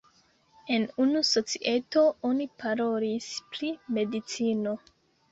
En unu societo oni parolis pri medicino.